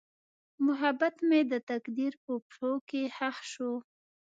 محبت مې د تقدیر په پښو کې ښخ شو.